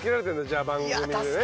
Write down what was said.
じゃあ番組でね。